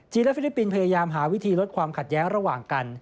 และฟิลิปปินส์พยายามหาวิธีลดความขัดแย้งระหว่างกัน